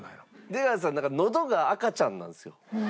出川さんなんかのどが赤ちゃんなんですよ。